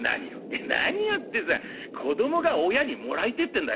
「何をってさ子供が親にもらいてえってんだよ？